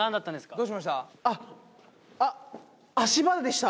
どうしました？